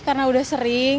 karena udah sering